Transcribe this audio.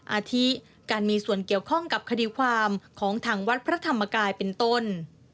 อาทิการมีส่วนเกี่ยวข้องกับคดีความของทางวัดพระธรรมกายเป็นต้น